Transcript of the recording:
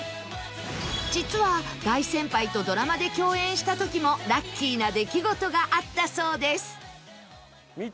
実は大先輩とドラマで共演した時もラッキーな出来事があったそうです